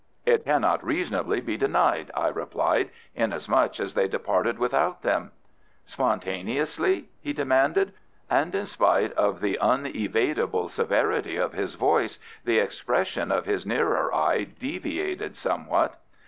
"It cannot reasonably be denied," I replied; "inasmuch as they departed without them." "Spontaneously?" he demanded, and in spite of the unevadible severity of his voice the expression of his nearer eye deviated somewhat.